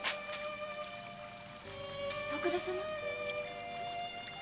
徳田様？